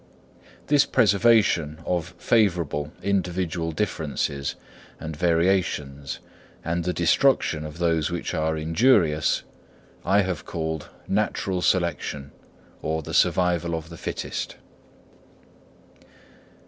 This preservation of favourable individual differences and variations, and the destruction of those which are injurious, I have called Natural Selection, or the Survival of the Fittest.